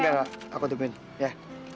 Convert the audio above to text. gak gak aku nungguin ya